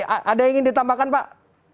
ada yang ingin ditambahkan pak